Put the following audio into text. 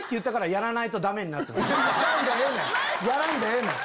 やらんでええねん！